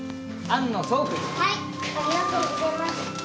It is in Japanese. ありがとうございます。